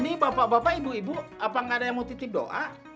ini bapak bapak ibu ibu apa nggak ada yang mau titip doa